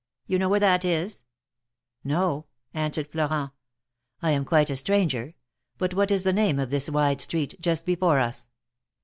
You know where that is ?" No," answered Florent, I am quite a stranger. But >vhat is the name of this wide street, just before us?"